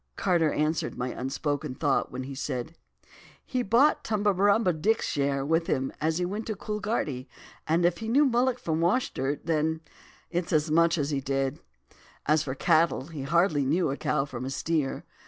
"Carter answered my unspoken thought when he said, 'He bought Tumberumba Dick's share, him as went to Coolgardie, and if he knew mullock from wash dirt, then, it's as much as he did. As for cattle, he hardly knew a cow from a steer.